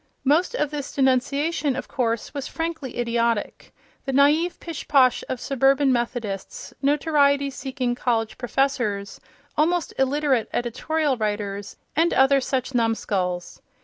Most of this denunciation, of course, was frankly idiotic—the naïve pishposh of suburban Methodists, notoriety seeking college professors, almost illiterate editorial writers, and other such numskulls.